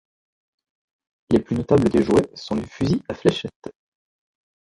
Les plus notables des jouets sont les fusils à fléchettes.